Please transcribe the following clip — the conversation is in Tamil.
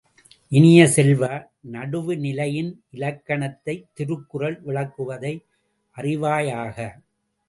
இனிய செல்வ, நடுவுநிலையின் இலக்கணத்தைத் திருக்குறள் விளக்குவதை அறிவாயாக!